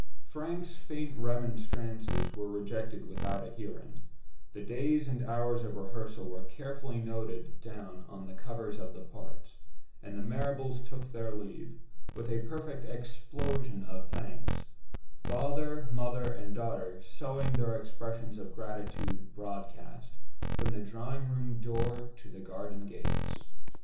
Frank's faint remonstrances were rejected without a hearing; the days and hours of rehearsal were carefully noted down on the covers of the parts; and the Marrables took their leave, with a perfect explosion of thanks—father, mother, and daughter sowing their expressions of gratitude broadcast, from the drawing room door to the garden gates.